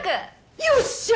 よっしゃ！